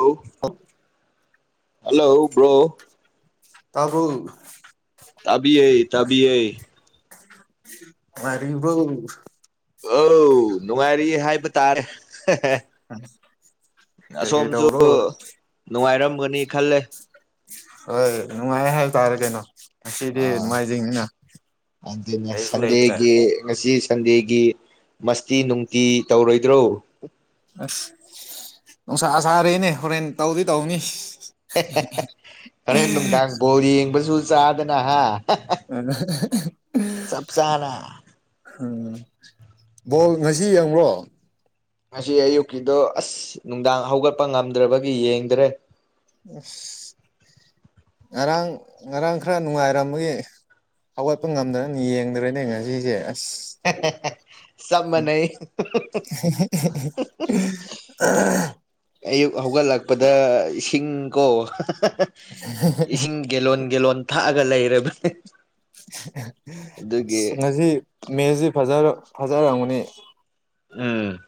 ꯑꯧ hello bro. ꯇꯥꯕꯨ ꯇꯕꯤꯌꯦ ꯇꯕꯤꯌꯦ꯫ ꯅꯨꯡꯉꯥꯏꯔꯤꯕꯧ꯫ ꯑꯧ ꯅꯨꯡꯉꯥꯏꯔꯤ ꯍꯥꯏꯕ ꯇꯥꯔꯦ ꯍꯦ ꯍꯦ꯫ ꯑꯁ ꯑꯁꯣꯝꯁꯨ ꯅꯨꯡꯉꯥꯏꯔꯝꯒꯅꯤ ꯈꯜꯂꯦ꯫ ꯍꯣꯏ ꯅꯨꯡꯉꯥꯏ ꯍꯥꯏꯕ ꯇꯥꯔꯦ ꯀꯩꯅꯣ꯫ ꯑ ꯉꯁꯤꯗꯤ ꯅꯣꯡꯃꯥꯏꯖꯤꯡꯅꯤꯅ ꯑꯗꯨꯅꯦ ꯀꯩꯁꯨ ꯂꯩꯇ꯭ꯔꯦ ꯁꯟꯗꯦꯒꯤ ꯉꯁꯤ ꯁꯟꯗꯦꯒꯤ ꯃꯁꯇꯤ ꯅꯨꯡꯇꯤ ꯇꯧꯔꯣꯏꯗ꯭ꯔꯣ꯫ ꯑꯁ ꯅꯨꯡꯁꯥ ꯁꯥꯥꯔꯦꯅꯦ ꯍꯣꯔꯦꯟ ꯇꯧꯗꯤ ꯇꯧꯅꯤ꯫ ꯍꯦ ꯍꯦ ꯍꯦ ꯍꯣꯔꯦꯟ ꯅꯨꯡꯗꯥꯡ ꯕꯣꯜ ꯌꯦꯡꯕꯁꯨ ꯆꯥꯗꯅ ꯍꯥ ꯍꯥ ꯍꯥ ꯎꯝ ꯆꯞ ꯆꯥꯅ꯫ ꯎꯝ ꯕꯣꯜ ꯉꯁꯤ ꯌꯦꯡꯕ꯭ꯔꯣ꯫ ꯉꯁꯤ ꯑꯌꯨꯛꯀꯤꯗꯣ ꯑꯁ ꯅꯨꯡꯗꯥꯡ ꯍꯧꯒꯠꯄ ꯉꯝꯗ꯭ꯔꯕꯒꯤ ꯌꯦꯡꯗ꯭ꯔꯦ꯫ ꯑꯁ ꯉꯔꯥꯡ ꯉꯔꯥꯡ ꯈꯔ ꯅꯨꯡꯉꯥꯏꯔꯝꯕꯒꯤ꯫ ꯍꯧꯒꯠꯄ ꯉꯝꯗꯅꯅ ꯌꯦꯡꯗ꯭ꯔꯦꯅꯦ ꯉꯁꯤꯁꯦ ꯑꯁ꯫ ꯍꯦ ꯍꯦ ꯍꯦ꯫ ꯆꯞ ꯃꯥꯅꯩ [unintelligible] ꯑꯌꯨꯛ ꯍꯧꯒꯠꯂꯛꯄꯗ ꯏꯁꯤꯡꯀꯣ ꯏꯁꯤꯡ ꯒꯦꯂꯣꯟ ꯒꯦꯂꯣꯟ ꯊꯛꯑꯒ ꯂꯩꯔꯕꯅ ꯑꯁ ꯉꯁꯤ ꯃꯦꯁꯤ ꯐꯖꯔ ꯐꯖꯔꯝꯒꯅꯤ꯫ ꯎꯝ꯫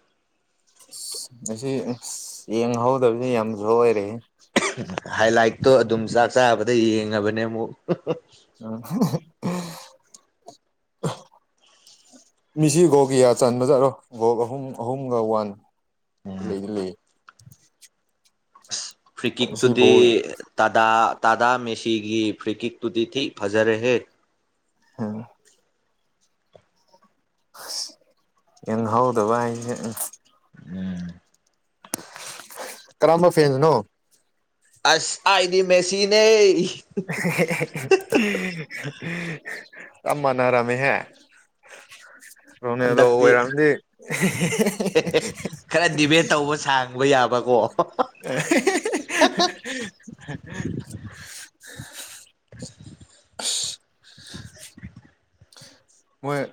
ꯑꯁ ꯉꯁꯤ ꯌꯦꯡꯍꯧꯗꯕꯖꯦ ꯌꯥꯝ ꯁꯣꯢꯔꯦꯍꯦ꯫ ꯍꯥꯏ ꯂꯥꯏꯠꯇꯣ ꯑꯗꯨꯝ ꯆꯥꯛ ꯆꯥꯕꯗ ꯌꯦꯡꯉꯕꯅꯦ ꯑꯃꯨꯛ꯫ ꯑ [unintelligible] ꯃꯤꯁꯤ ꯒꯣꯜ ꯀꯌꯥ ꯆꯟꯕꯖꯥꯠꯔꯣ ꯒꯣꯜ ꯑꯍꯨꯝ ꯑꯍꯨꯝꯒ ꯋꯥꯟ ꯎꯝ ꯂꯩꯗꯤ ꯂꯩꯌꯦ꯫ ꯉꯁꯤ ꯕꯣꯜ ꯐ꯭ꯔꯤꯀꯤꯛꯇꯨꯗꯤ ꯇꯥꯗꯥ ꯇꯥꯗꯥ ꯃꯦꯁꯤꯒꯤ ꯐ꯭ꯔꯤꯀꯤꯛꯇꯨꯗꯤ ꯊꯤ ꯐꯖꯔꯦꯍꯦ꯫ ꯎꯝ ꯑꯁ ꯌꯦꯡꯍꯧꯗꯕ ꯍꯥꯏꯁꯦ ꯎꯝ ꯎꯝ꯫ ꯀꯔꯝꯕ ꯐꯦꯟꯁꯅꯣ꯫ ꯑꯁ ꯑꯥꯏꯗꯤ ꯃꯦꯁꯤꯅꯦ꯫ [unintelligible] [unintelligible] ꯆꯞ ꯃꯥꯅꯔꯝꯃꯦ ꯍꯦ꯫ ꯔꯣꯅꯦꯜꯗꯣ ꯍꯟꯗꯛꯇꯤ ꯑꯣꯏꯔꯝꯅꯤ ꯍꯦ ꯍꯦ ꯍꯦ꯫ [unintelligible] ꯈꯔ ꯗꯤꯕꯦꯠ ꯇꯧꯕ ꯁꯥꯡꯕ ꯌꯥꯕꯀꯣ꯫ [unintelligible] [unintelligible] ꯑꯁ ꯃꯣꯏ꯫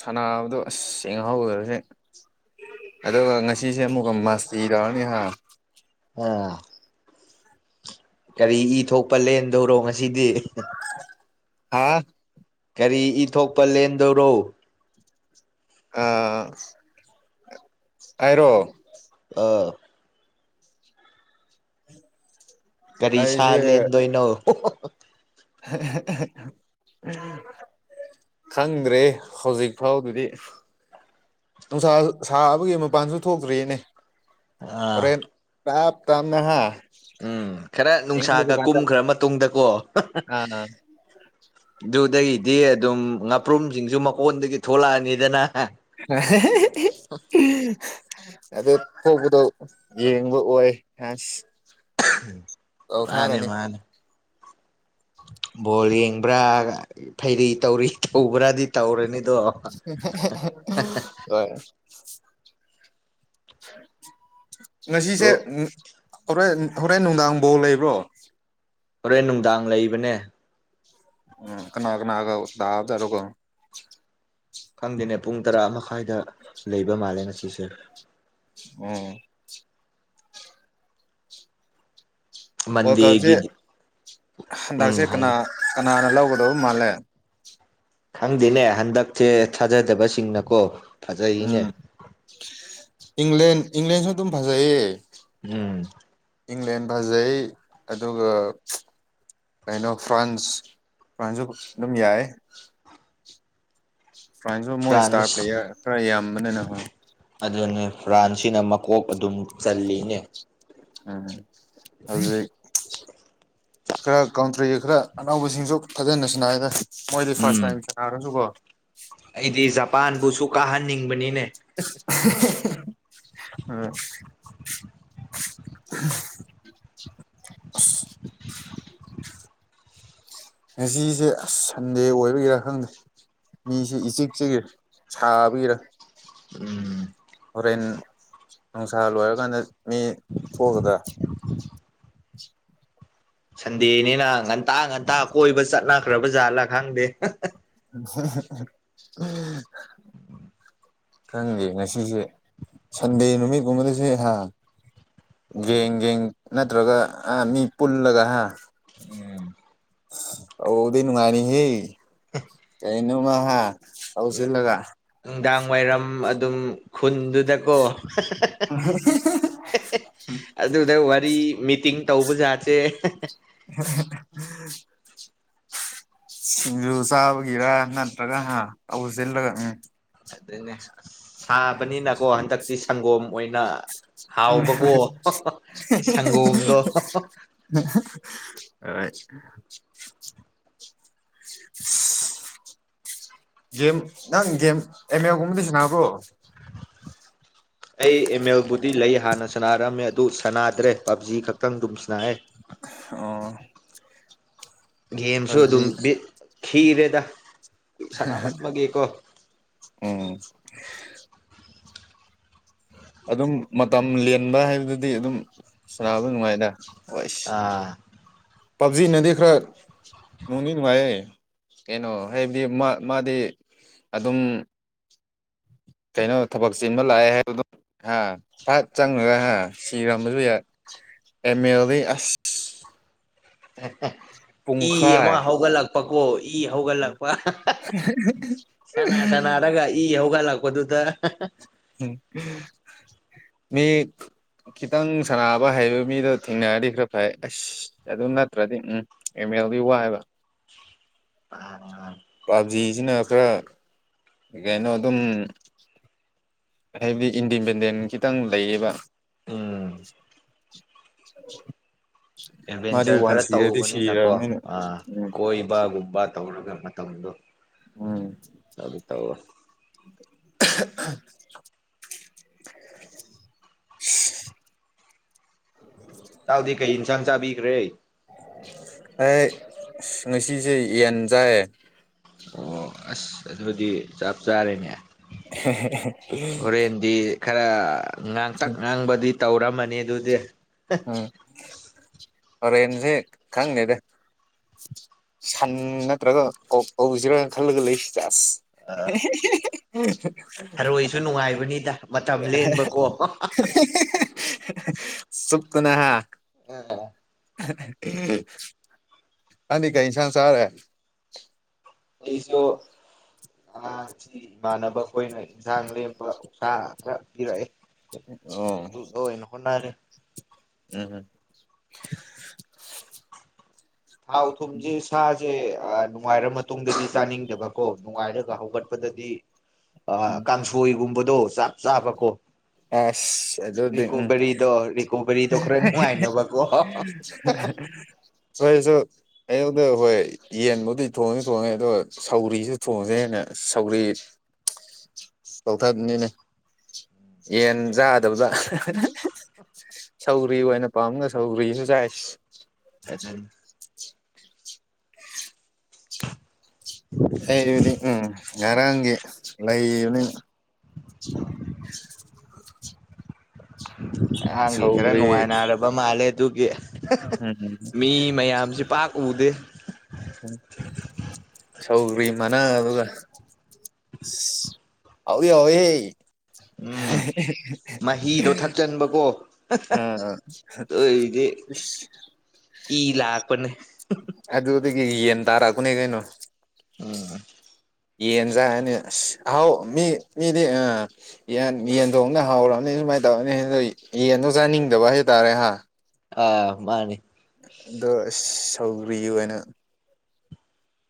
ꯁꯥꯟꯅꯕꯗꯣ ꯑꯁ ꯌ‌ꯦꯡꯍꯧꯗ꯭ꯔꯗꯤ ꯑꯗꯨꯒ ꯉꯁꯤꯁꯦ ꯑꯃꯨꯛꯀ ꯃꯁꯇꯤ ꯇꯧꯔꯅꯤꯍꯥ꯫ ꯑꯥ꯫ ꯀꯔꯤ ꯏ ꯊꯣꯛꯄ ꯂꯦꯟꯗꯧꯔꯣ ꯉꯁꯤꯗꯤ꯫ ꯍꯥ ꯀꯔꯤ ꯏ ꯊꯣꯛꯄ ꯂꯦꯟꯗꯧꯔꯣ ꯑꯥ ꯑꯥꯏꯔꯣ ꯑꯥ ꯀꯔꯤ ꯁꯥ ꯑꯩꯁꯦ ꯂꯦꯟꯗꯣꯏꯅꯣ [unintelligible] ꯈꯪꯗ꯭ꯔꯦ ꯍꯧꯖꯤꯛ ꯐꯥꯎꯗꯨꯗꯤ ꯅꯨꯡꯁꯥ ꯁꯥꯕꯒꯤ ꯃꯄꯥꯟꯁꯨ ꯊꯣꯛꯇ꯭ꯔꯤꯅꯦ ꯑꯥ ꯍꯣꯔꯦꯟ ꯇꯥꯞ ꯇꯥꯟꯅ ꯍꯥ ꯎꯝ ꯈꯔ ꯏꯪꯍꯧꯕ ꯅꯨꯡꯁꯥꯒ ꯀꯥꯟꯗ ꯀꯨꯝꯈ꯭ꯔ ꯃꯇꯨꯡꯗꯀꯣ ꯑꯥ ꯗꯨꯗꯩꯗꯤ ꯑꯗꯨꯝ ꯉꯥꯄ꯭ꯔꯨꯝꯖꯤꯡꯖꯨ ꯃꯀꯣꯟꯗꯒꯤ ꯊꯣꯛꯂꯛꯑꯅꯤꯗꯅ [unintelligible] ꯑꯗꯨ ꯊ‌ꯣꯛꯄꯗ‌ꯣ ꯌꯦꯡꯕ ꯑꯣꯏ ꯍꯁ ꯃꯥꯅꯦ ꯃꯥꯅꯦ ꯕꯣꯜ ꯌꯦꯡꯕ꯭ꯔꯥꯒ ꯐꯩꯔꯤ ꯇꯧꯔꯤ ꯇꯧꯕ꯭ꯔꯥꯗꯤ ꯇꯧꯔꯅꯤꯗꯣ [unintelligible] ꯍꯣꯏ ꯉꯁꯤꯁꯦ ꯕ꯭ꯔꯣ ꯎꯝ ꯍꯣꯔꯦꯟ ꯍꯣꯔꯦꯟ ꯅꯨꯡꯗꯥꯡ ꯕ‌ꯣꯜ ꯂꯩꯕ꯭ꯔꯣ ꯍꯣꯔꯦꯟ ꯅꯨꯡꯗꯥꯡ ꯂꯩꯕꯅꯦ ꯎꯝ ꯀꯅꯥ ꯀꯅꯥꯒ ꯇꯥꯕꯖꯠꯅꯣꯒꯣ ꯈꯪꯗꯦꯅꯦ ꯄꯨꯡ ꯇꯔꯥ ꯃꯈꯥꯏꯗ ꯂꯩꯕ ꯃꯥꯜꯂꯦ ꯉꯁꯤꯁꯦ ꯑꯣ ꯋꯥꯜ ꯀꯞꯖꯦ ꯃꯟꯗꯦꯒꯤꯗꯤ ꯍꯟꯗꯛꯁꯦ ꯎꯝ ꯀꯅꯥ ꯍꯥꯏꯌꯨ ꯀꯅꯥꯅ ꯂꯧꯒꯗꯕ ꯃꯥꯜꯂꯦ ꯈꯪꯗꯦꯅꯦ ꯍꯟꯗꯛꯆ‌ꯦ ꯊꯥꯖꯗꯕ ꯁꯤꯡꯅꯀꯣ ꯐꯖꯩꯅꯦ ꯎꯝ ꯏꯪꯂꯦꯟ ꯏꯪꯂꯦꯟꯁꯨ ꯑꯗꯨꯝ ꯐꯖꯩꯌꯦ ꯎꯝ ꯏꯪꯂꯦꯟ ꯐꯖꯩ ꯑꯗꯨꯒ [unintelligible] ꯀꯩꯅꯣ ꯐ꯭ꯔꯥꯟꯁ ꯐ꯭ꯔꯥꯟꯁꯖꯨ ꯑꯗꯨꯝ ꯌꯥꯏ ꯐ꯭ꯔꯥꯟꯖꯨ ꯃꯣꯏ ꯏꯁꯇꯥꯔ ꯐ꯭ꯔꯥꯟꯁ ꯄ꯭ꯂꯦꯌꯔ ꯈꯔ ꯌꯥꯝꯕꯅꯦꯅ ꯍꯣꯏ ꯑꯗꯨꯅꯦ ꯐ꯭ꯔꯥꯟꯁꯤꯅ ꯃꯀꯣꯛ ꯑꯗꯨꯝ ꯆꯜꯂꯤꯅꯦ ꯑꯥ ꯍꯧꯖꯤꯛ ꯈꯔ ꯀꯥꯎꯟꯇ꯭ꯔꯤꯒ ꯈꯔ ꯑꯅꯧꯕꯁꯤꯡꯁꯨ ꯐꯖꯅ ꯁꯅꯥꯏꯌ‌ꯦꯗ ꯃꯣꯏꯗꯤ ꯐꯥꯔꯁ ꯎꯝ ꯇꯥꯏꯝ ꯁꯥꯅꯔꯁꯨ ꯀꯣ ꯑꯩꯗꯤ ꯖꯄꯥꯟꯕꯨꯁꯨ ꯀꯥꯍꯟꯅꯤꯡꯕꯅꯤꯅꯦ [unintelligible] ꯑ [unintelligible] ꯉꯁꯤꯁꯦ ꯑꯁ ꯁꯟꯗꯦ ꯑꯣꯏꯕꯒꯤꯔꯥ ꯈꯪꯗꯦ ꯃꯤꯁ‌ꯦ ꯏꯆꯤꯛ ꯆꯤꯑꯦ ꯁꯥꯕꯩꯔꯥ ꯎꯝ ꯍꯣꯔꯦꯟ ꯅꯨꯡꯁꯥ ꯂꯣꯏꯔꯀꯥꯟꯗ ꯃꯤ ꯊꯣꯛꯑꯒꯗ꯭ꯔ ꯁꯟꯗꯦꯅꯤꯅ ꯉꯟꯇꯥ ꯉꯟꯇꯥ ꯀꯣꯏꯕ ꯆꯠꯅꯈ꯭ꯔꯕ ꯖꯥꯠꯂꯥ ꯈꯪꯗꯦ ꯍꯝ ꯍꯝ ꯍꯝ ꯈꯪꯗꯦ ꯉꯁꯤꯁꯦ ꯁꯟꯗꯦ ꯅꯨꯃꯤꯠꯀꯨꯝꯕꯗꯁꯦ ꯍꯥ ꯒꯦꯡ ꯒꯦꯡ ꯅꯠꯇ꯭ꯔꯒ ꯑ ꯃꯤ ꯄꯨꯜꯂꯒ ꯍꯥ ꯎꯝ ꯑꯧꯗꯤ ꯅꯨꯡꯉꯥꯏꯅꯤꯍꯦ ꯀꯩꯅꯣꯃ ꯍ ꯂꯧꯁꯤꯜꯂꯒ ꯅꯨꯡꯗꯥꯡ ꯋꯥꯏꯔꯝ ꯑꯗꯨꯝ ꯈꯨꯟꯗꯨꯗꯀꯣ [unintelligible] ꯑꯗꯨꯗ ꯋꯥꯔꯤ ꯃꯤꯇꯤꯡ ꯇꯧꯕꯖꯥꯠꯁꯦ ꯑꯝꯍꯝ [unintelligible] ꯌꯗꯨ ꯆꯕꯒꯔ ꯅꯠꯇ꯭ꯔꯒ ꯑꯁꯜꯒ ꯎꯝ ꯑꯗꯨꯅꯦ ꯑꯁ ꯁꯥꯕꯅꯤꯅꯀꯣ ꯍꯟꯗꯛꯇꯤ ꯁꯪꯒꯣꯝ ꯑꯣꯏꯅ ꯍꯥꯎꯕꯀꯣ ꯁꯪꯒꯣꯝꯗꯣ [unintelligible] [unintelligible] ꯒꯦꯝ ꯅꯪ ꯒꯦꯝ ꯑꯦꯝ ꯑꯦꯒꯨꯝꯕꯗꯤ ꯁꯅꯕ꯭ꯔꯣ ꯑꯩ ꯑꯦꯃꯦꯜꯕꯨꯗꯤ ꯂꯩ ꯍꯥꯟꯅ ꯁꯥꯟꯅꯔꯛꯑꯝꯃꯦ ꯑꯗꯨ ꯁꯥꯟꯅꯗ꯭ꯔꯦ ꯄꯞꯖꯤ ꯈꯛꯇꯪ ꯑꯗꯨꯝ ꯁꯅꯑꯦ ꯑꯣ ꯒꯦꯝꯁꯨ ꯄꯞꯖꯤ ꯑꯗꯨꯝ ꯈꯤꯔꯦꯗ ꯁꯥꯟꯅꯃꯟꯕꯒꯤꯀꯣ ꯎꯝ ꯑꯗꯨꯝ ꯃꯇꯝ ꯂꯦꯟꯕ ꯍꯥꯏꯕꯗꯨꯗꯤ ꯑꯗꯨꯝ ꯁꯥꯕ ꯅꯨꯡꯉꯥꯏꯅ ꯍꯁ ꯑꯥ ꯄꯞꯖꯤꯅꯗꯤ ꯈꯔ ꯅꯨꯡꯅꯤ ꯅꯨꯡꯉꯥꯏꯌꯦ ꯀꯩꯅꯣ ꯍꯥꯏꯕꯗꯤ ꯃꯥꯗꯤ ꯑꯗꯨꯝ ꯀꯩꯅꯣ ꯊꯕꯛ ꯆꯤꯟꯕ ꯂꯥꯛꯑꯦ ꯍꯥꯏꯕꯗꯨꯣ ꯍꯥ ꯐꯠ ꯆꯪꯉꯒ ꯍꯥ ꯁꯤꯔꯝꯝꯕꯁꯨ ꯌꯥꯏ ꯑꯦꯝ ꯑꯦꯜꯗ ꯑꯁ ꯏ ꯑꯃ ꯄꯨꯡꯈꯥꯏ ꯍꯧꯒꯠꯂꯛꯄꯀꯣ ꯏ ꯍꯧꯒꯠꯂꯛꯄ ꯁꯅꯥ ꯁꯅꯥꯔꯒ ꯏ ꯍꯧꯒꯠꯂꯛꯄ ꯀꯗꯨ ꯗ ꯝ ꯃꯤ ꯈꯤꯇꯪ ꯁꯅꯕ ꯍꯩꯕ ꯃꯤꯗꯣ ꯊꯦꯡꯅꯔꯗꯤ ꯈꯔ ꯐꯔꯦ ꯑꯁ ꯑꯗꯨ ꯅꯠꯇ꯭ꯔꯗꯤ ꯎꯝ ꯑꯦꯃꯦꯗꯤ ꯏ ꯋꯥ ꯍꯥꯏꯕ ꯃꯅꯤ ꯃꯅꯤ ꯄꯥꯞꯖꯤꯁꯤꯅ ꯈꯔ ꯀꯩꯅꯣ ꯑꯗꯨꯝ ꯍꯥꯏꯕꯗꯤ ꯏꯟꯗꯤꯄꯦꯟꯗꯦꯟ ꯈꯤꯇꯪ ꯂꯩꯌꯦꯕ ꯎꯝ [unintelligible] ꯃꯥꯗꯤ ꯑꯦꯗꯚꯦꯟꯆꯔ ꯋꯥꯟ ꯈꯔ ꯁꯤꯔꯗꯤ ꯁꯤꯔꯅꯤꯅ ꯎꯝ ꯕ ꯒꯕ ꯇꯧꯔꯒ ꯃ ꯇꯪꯗꯨ ꯎꯝ ꯑꯗꯨ ꯇꯧꯕ ꯇꯥꯎꯗꯤ ꯀꯩ ꯏꯟꯁꯥꯡ ꯆꯥꯕꯤꯈ꯭ꯔꯦ ꯑꯩ ꯉꯁꯤꯁꯦ ꯌꯦꯟ ꯆꯥꯏꯌꯦ ꯑꯣ ꯑꯁ ꯑꯗꯨꯗꯤ ꯆꯞ ꯆꯥꯔꯦꯅꯦ ꯍꯣꯔꯦꯟꯗꯤ ꯈꯔ ꯉꯥꯡꯇꯛ ꯉꯥꯡꯕꯗꯤ ꯇꯧꯔꯝꯃꯅꯤ ꯑꯗꯨꯗꯤ ꯎꯝ ꯑꯣꯔꯦꯟꯟꯁꯤꯦ ꯈꯪꯅꯦꯗ ꯁꯟ ꯅꯠꯇ꯭ꯔꯒ ꯀꯧꯁꯤꯔꯅ ꯈꯜꯂꯒ ꯂꯩꯁꯤ ꯆ ꯑꯁ [unintelligible] ꯁꯅꯅꯨꯡꯉꯥꯏꯕꯅꯤꯗ ꯆꯨꯞꯇꯅ ꯍꯥ ꯑꯣ ꯅꯥꯡꯗꯤ ꯀꯩ ꯑꯦꯟꯁꯥꯡ ꯑꯩꯁꯨ ꯑꯉꯥꯡꯁꯤ ꯏꯃꯥꯟꯅꯕ ꯑꯩꯈꯣꯏꯅ ꯏꯟꯁꯥꯡ ꯂꯦꯝꯕ ꯎꯁꯥ ꯈꯔ ꯄꯤꯔꯛꯑꯦ ꯑꯣ ꯑꯗꯨꯗꯣ ꯑꯣꯏꯅ ꯍꯣꯠꯅꯔꯦ ꯎꯝ ꯎꯝ ꯍꯥꯎ ꯊꯨꯝꯖꯦ ꯁ ꯁꯦ ꯅꯨꯡꯉꯥꯏꯔ ꯃꯇꯨꯡꯗꯗꯤ ꯆꯥꯅꯤꯡꯗꯕ ꯀꯣ ꯅꯨꯡꯉꯥꯏꯔꯒ ꯍꯧꯒꯠꯄꯗꯗꯤ ꯎꯝ ꯀꯥꯡꯁꯣꯏꯒꯨꯝꯕꯗꯣ ꯆꯥꯛ ꯆꯥꯕꯀꯣ ꯑꯁ ꯑꯗꯨꯗꯤ ꯎꯝ ꯔꯤꯀꯣꯕꯔꯤꯗꯣ ꯔꯤꯀꯣꯕꯔꯤꯗꯣ ꯈꯔ ꯅꯨꯡꯉꯥꯏꯅꯕꯀꯣ ꯍꯣꯏꯁꯨ ꯑꯗ ꯍꯣꯏ ꯌꯦꯟꯕꯨꯗꯤ ꯊꯣꯡꯉꯤ ꯊꯣꯡꯉꯦ ꯑꯗꯣ ꯁꯧꯔꯤꯁꯨ ꯊꯣꯡꯁꯦꯦꯟꯅ ꯁꯧꯔꯤ [unintelligible] ꯂꯧꯊꯕꯅꯤꯅꯦ ꯌꯦꯟ ꯌꯥꯥꯗꯕꯖꯥ ꯁꯧꯒ꯭ꯔꯤ ꯑꯣꯏꯅ ꯄꯥꯝꯅ ꯁꯧꯒ꯭ꯔꯤꯁꯨ ꯆꯥꯏ ꯎꯝ ꯎ ꯑꯩꯕꯨꯗꯤ ꯎꯝ ꯉꯔꯥꯡꯒꯤ ꯂꯩꯕꯅꯤ [unintelligible] ꯑꯩꯍꯥꯡꯒꯤ ꯈꯔ ꯁꯧꯒ꯭ꯔꯤ ꯅꯨꯡꯉꯥꯏꯅꯔꯕ ꯃꯥꯜꯂꯦ ꯑꯗꯨꯒꯤ ꯎꯝ ꯃꯤ ꯃꯌꯥꯝꯁꯤ ꯄꯥꯛ ꯎꯗꯦ ꯎꯝ ꯁꯧꯒ꯭ꯔꯤ ꯃꯅꯥ ꯑꯗꯨꯒ ꯍꯧꯋꯤ ꯍꯧꯋꯤꯍꯦ ꯎꯝ ꯃꯍꯤꯗꯣ ꯊꯛꯆꯟꯕꯀꯣ ꯑꯥ ꯑꯗꯨꯏꯗꯤ [unintelligible] ꯏ ꯂꯥꯛꯄꯅꯦ ꯑ ꯑꯗꯨ ꯊ ꯌꯦꯟ ꯇꯔꯥ ꯀꯨꯅꯦ ꯀꯩꯅꯣ ꯎꯝ ꯌꯦꯟꯖꯅꯤ ꯍꯥꯎ ꯃꯤ ꯃꯤꯗꯤ ꯑ ꯌꯦꯟ ꯌꯦꯟꯊꯣꯡꯅ ꯍꯥꯎꯔꯅꯤ ꯁꯨꯃꯥꯏꯅ ꯇꯧꯔꯅꯤ ꯌꯦꯟꯗꯣ ꯆꯥꯅꯤꯡꯗꯕ ꯍꯥꯏꯇꯥꯔꯦ ꯍꯥ ꯑꯥ ꯃꯥꯅꯤ ꯑꯗꯣ ꯁꯧꯒ꯭ꯌꯨ ꯍꯥꯏꯅ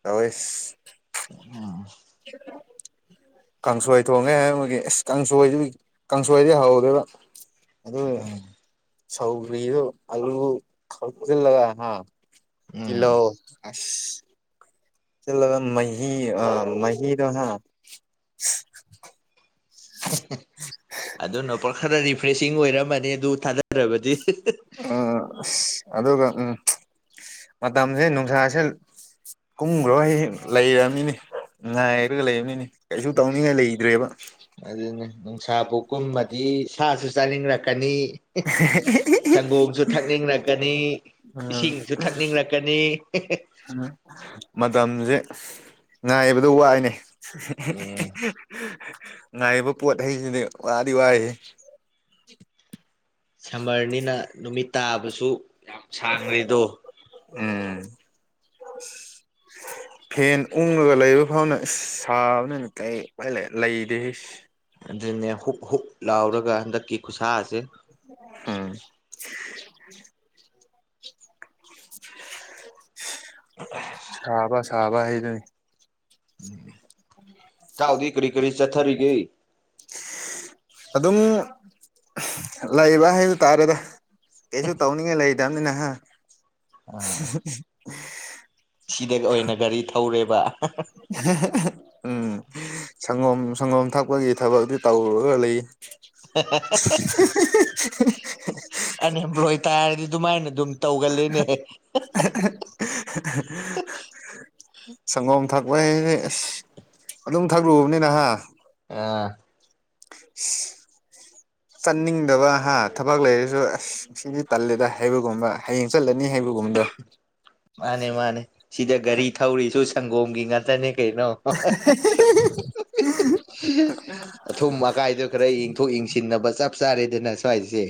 ꯇꯋꯦ ꯎ ꯁꯣ ꯀꯥꯡꯁꯣꯏ ꯊꯣꯡꯉꯦ ꯍꯥꯏꯕꯒꯤ ꯑꯦꯁ ꯀꯥꯡꯁꯣꯏꯗꯨ ꯀꯥꯡꯁꯣꯏꯗꯤ ꯍꯧꯗꯣꯏꯕ ꯑꯗꯨ ꯁꯧꯔꯤ ꯑꯜꯂꯒ ꯍꯥ ꯎꯝ ꯇꯤꯂꯧ ꯆꯂ ꯃꯍꯤ ꯑ ꯃꯍꯤꯗ ꯑꯃ ꯑꯗꯨ ꯅ ꯄꯔ ꯈꯔ ꯔꯤꯐ꯭ꯔꯦꯁꯤꯡ ꯑꯣꯏꯔꯝꯃꯅꯤ ꯑꯗꯨ ꯊꯥꯗꯔꯕꯗꯤ ꯎꯝ ꯑꯗꯨꯒ ꯎꯝ ꯃꯇꯝꯁꯦ ꯅꯨꯡꯁꯥꯁꯦ ꯀꯨꯝꯈ꯭ꯔꯣ ꯑꯩ ꯂꯩꯅꯤꯅꯦ ꯉꯥꯏꯔꯒ ꯂꯩꯔꯕꯝꯅꯤꯅꯦ ꯀꯩꯁꯨ ꯇꯧꯅꯤꯡꯉꯥꯏ ꯂꯩꯇ꯭ꯔꯦꯕ ꯑꯗꯨꯅꯤ ꯅꯨꯡꯁꯥꯕꯨ ꯀꯨꯝꯃꯗꯤ ꯁꯥꯁꯨ ꯆꯥꯅꯤꯡꯂꯛꯀꯅꯤ ꯁꯪꯒꯣꯝꯁꯨ ꯊꯛꯅꯤꯡꯔꯛꯀꯅꯤ ꯎꯝ ꯏꯁꯤꯡꯁꯨ ꯊꯛꯅꯤꯡꯂꯛꯀꯅꯤ ꯎꯝ ꯃꯇꯝꯁꯦ ꯉꯥꯏꯕꯗ ꯋꯥꯏꯅꯦ ꯎꯝ ꯉꯥꯏꯕ ꯄꯣꯠ ꯍꯩꯁꯤꯗꯤ ꯋꯥꯗꯤ ꯋꯥꯏ ꯁꯝꯃꯔꯅꯤꯅ ꯅꯨꯃꯤꯠ ꯇꯥꯕꯁꯨ ꯌꯥꯝ ꯁꯥꯡꯔꯤꯗꯣ ꯎꯝ [inaudible] ꯐꯦꯟ ꯎꯪꯉꯒ ꯂꯩꯕ ꯐꯥꯎꯅ ꯁꯥꯕꯅ ꯀ ꯂꯩꯗꯦ ꯑꯗꯨꯅꯦ ꯍꯨꯛ ꯍꯨꯛ ꯂꯥꯎꯔꯒ ꯍꯟꯗꯛꯀꯤ ꯈꯨꯠꯁꯥꯁꯦ ꯎꯝ ꯁꯥꯥꯕ ꯁꯥꯕ ꯍꯥꯏꯗꯨꯅꯤ ꯎꯝ ꯊꯥꯎꯗꯤ ꯀꯔꯤ ꯀꯔꯤ ꯆꯠꯊꯔꯤꯒꯦ ꯑꯗꯨꯝ ꯂꯩꯕ ꯍꯥꯏꯕ ꯇꯥꯔꯦꯗ ꯀꯩꯁꯨ ꯇꯧꯅꯤꯡꯉꯥꯏ ꯂꯩꯗꯅꯤꯅꯍ ꯁꯤꯗꯒꯤ ꯑꯣꯏꯅ ꯒꯥꯔꯤ ꯊꯧꯔꯦꯕ ꯎꯝ ꯁꯪꯒꯣꯝ ꯁꯪꯒꯣꯝ ꯊꯛꯄꯒꯤ ꯊꯕꯛꯇꯤ ꯇꯧꯔꯒ ꯂꯩ [unintelligible] ꯑꯟꯑꯦꯝꯄ꯭ꯂꯣꯏ ꯇꯥꯔꯗꯤ ꯑꯗꯨꯃꯥꯏꯅ ꯑꯗꯨꯝ ꯇꯧꯒꯜꯂꯤꯅꯦ ꯁꯪꯒꯣꯝ ꯊꯛꯄꯩ ꯑꯁ ꯑꯗꯨꯝ ꯊꯛꯂꯨꯕꯅꯤ ꯅꯍꯥ ꯑꯥ [unintelligible] ꯆꯠꯅꯤꯡꯗꯕ ꯍꯥ ꯊꯕꯛ ꯂꯩꯔꯁꯨ ꯑꯁ ꯁꯤꯗꯤ ꯇꯜꯂꯦꯗ ꯍꯥꯏꯕꯒꯨꯝꯕ ꯍꯌꯦꯡ ꯆꯠꯂꯅꯤ ꯍꯥꯏꯕꯒꯨꯝꯕꯗꯣ ꯃꯥꯅꯦ ꯃꯥꯅꯦ ꯁꯤꯗ ꯒꯥꯔꯤ ꯊꯧꯔꯤꯁꯨ ꯁꯪꯒꯣꯝꯒꯤ ꯉꯥꯛꯇꯅꯦ ꯀꯩꯅꯣ ꯑꯣ ꯑꯊꯨꯝ ꯑꯀꯥꯏꯗ ꯈꯔ ꯌꯦꯡꯊꯣꯛ ꯌꯦꯡꯁꯤꯟꯅꯕ ꯆꯞ ꯆꯥꯔꯦꯗꯅ ꯁ꯭ꯋꯥꯏꯁꯦ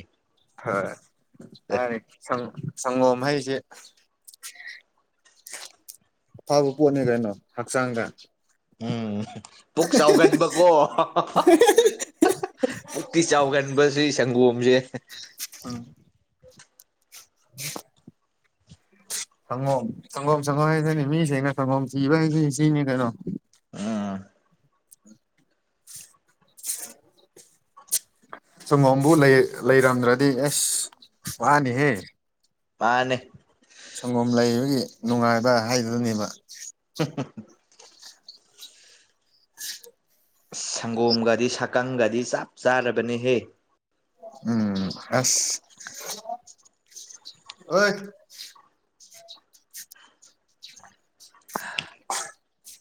ꯍꯣꯏ ꯃꯅꯦ ꯁꯪꯒꯣꯝ ꯍꯥꯏꯁꯦ [inaudible] ꯐꯕ ꯄꯣꯠꯅꯦ ꯀꯩꯅꯣ ꯍꯛꯆꯥꯡꯗ ꯎꯝ ꯄꯨꯛ ꯆꯥꯎꯒꯟꯕꯀꯣ ꯄꯨꯇꯤ ꯆꯥꯎꯒꯟꯕꯁꯤ ꯁꯪꯒꯣꯝꯁꯦ ꯎꯝ [inaudible] ꯁꯪꯒꯣꯝ ꯁꯪꯒꯣꯝ ꯁꯪꯒꯣꯝ ꯍꯥꯏꯁꯤꯅꯤ ꯃꯤꯁꯤꯡꯅ ꯁꯪꯒꯣꯝ ꯊꯤꯕ ꯍꯥꯏꯁꯤ ꯁꯤꯅꯤ ꯀꯩꯅꯣ ꯎꯝ [inaudible] ꯁꯪꯒꯣꯝꯕꯨ ꯂꯩꯔꯝꯗ꯭ꯔꯗꯤ ꯑꯦꯁ ꯋꯥꯅꯤꯍꯦ ꯃꯅꯦ ꯁꯪꯒꯣꯝ ꯂꯩꯕꯒꯤ ꯅꯨꯡꯉꯥꯏꯕ ꯍꯥꯏꯗꯨꯅꯅꯦꯕ [unintelligible] ꯁꯪꯒꯣꯝꯒꯗꯤ ꯁꯛꯀꯪꯒꯗꯤ ꯆꯞ ꯆꯥꯔꯕꯅꯤꯍꯦ ꯎꯝ ꯑꯁ ꯑꯣꯏ [unintelligible]